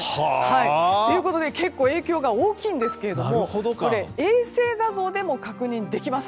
ということで結構影響が大きいんですけども衛星画像でも確認できます。